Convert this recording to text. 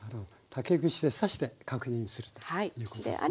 竹串で刺して確認するということですね。